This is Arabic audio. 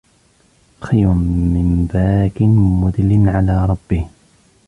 خَيْرٌ مِنْ بَاكٍ مُدِلٍّ عَلَى رَبِّهِ